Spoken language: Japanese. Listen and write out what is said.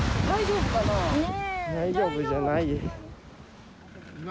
大丈夫じゃないよ。